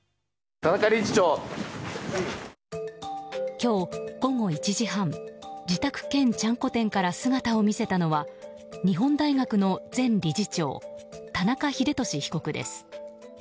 今日午後１時半自宅兼ちゃんこ店から姿を見せたのは日本大学の前理事長田中英寿被告です。